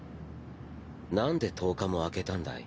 なんで１０日も空けたんだい？